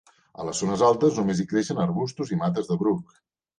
A les zones altes, només hi creixen arbustos i mates de bruc